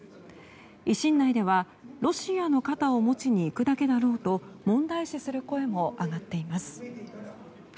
維新内ではロシアの肩を持ちに行くだけだろうと問題視する声も上がっています。